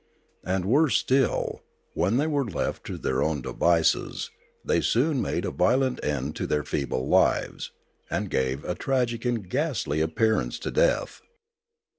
And worse still, when they were left to their own devices, they soon made a violent end to their feeble lives, and gave a tragic and ghastly appearance to death.